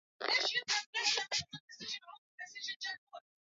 aswa kuangaliwa kama fulsa ya kibiashara